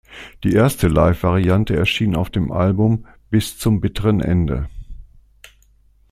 Die erste Live-Variante erschien auf dem Album "Bis zum bitteren Ende".